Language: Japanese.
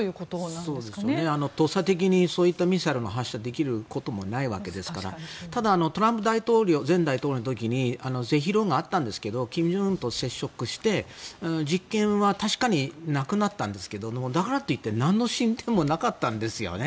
とっさ的にそういったミサイルも発射できることもないわけですからただ、トランプ前大統領の時に是非論があったんですが金正恩と接触して実験は確かになくなったんですがだからといってなんの進展もなかったんです。